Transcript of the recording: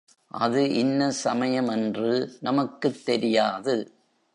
அது இன்ன சமயம் என்று நமக்குத் தெரியாது.